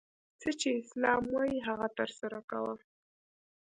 څه چي اسلام وايي هغه ترسره کوه!